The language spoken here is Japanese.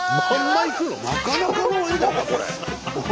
なかなかの絵だなこれ。